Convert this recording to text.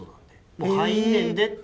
もう入んねんでって。